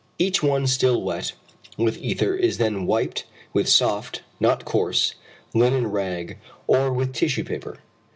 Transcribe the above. Each one still wet with ether is then wiped with soft, not coarse, linen rag or with tissue paper.